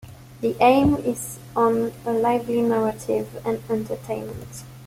The aim is on a lively narrative and entertainment.